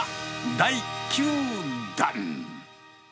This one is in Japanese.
第９弾。